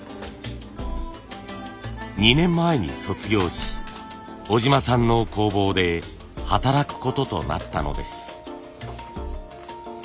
２年前に卒業し小島さんの工房で働くこととなったのです。